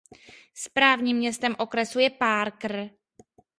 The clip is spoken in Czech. Správním městem okresu je Parker.